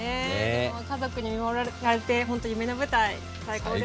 でも家族に見守られてほんと夢の舞台最高でした。